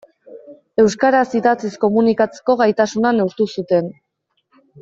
Euskaraz idatziz komunikatzeko gaitasuna neurtu zuten.